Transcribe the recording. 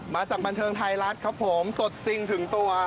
มาจากบันเทิงไทยรัฐครับผมสดจริงถึงตัว